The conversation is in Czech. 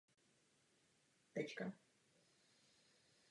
Jednoduchost je koneckonců jedním z klíčů k účinnosti.